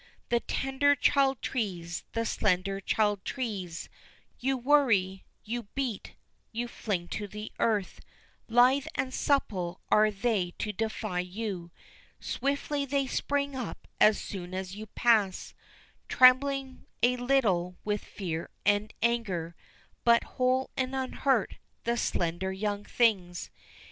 The tender child trees, the slender child trees You worry, you beat, you fling to the earth, Lithe and supple are they to defy you, Swiftly they spring up as soon as you pass, Trembling a little with fear and anger, But whole and unhurt the slender young things!